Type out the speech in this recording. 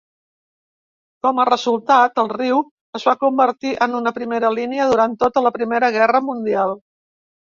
Com a resultat, el riu es va convertir en una primera línia durant tota la Primera Guerra Mundial.